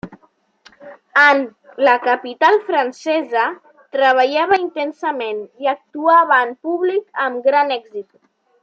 En la capital francesa treballava intensament i actuava en públic amb gran èxit.